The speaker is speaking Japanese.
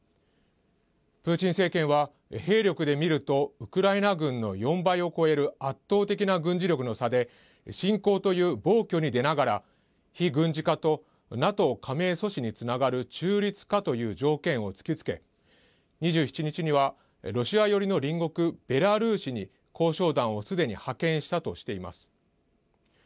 プーチン政権は兵力で見るとウクライナ軍の４倍を超える圧倒的な軍事力の差で侵攻という暴挙に出ながら非軍事化とＮＡＴＯ加盟阻止につながる中立化という条件を突きつけ、２７日にはロシア寄りの隣国ベラルーシに交渉団をすでに派遣したとしています。